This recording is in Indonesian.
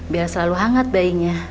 biar selalu hangat bayinya